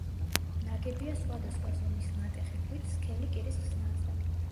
ნაგებია სხვადასხვა ზომის ნატეხი ქვით სქელი კირის ხსნარზე.